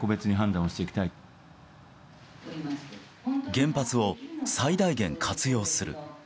原発を最大限活用する。